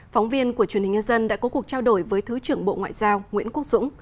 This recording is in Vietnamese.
phóng viên của truyền hình nhân dân đã có cuộc trao đổi với thứ trưởng bộ ngoại giao nguyễn quốc dũng